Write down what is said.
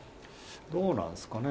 どうなんですかね。